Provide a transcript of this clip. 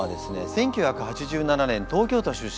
１９８７年東京都出身。